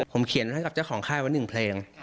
ผมเขียนให้กับเจ้าของค่ายไว้๑เพลง